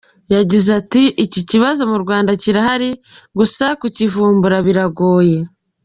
Yagize ati “Iki kibazo mu Rwanda kirahari, gusa kukivumbura biragoye.